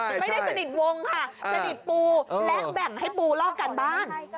ไม่ได้สนิทวงค่ะสนิทปูและแบ่งให้ปูลอกการบ้าน